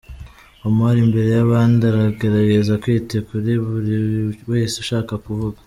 Omar imbere y’abandi aragerageza kwita kuri buri wese ushaka kuvuga.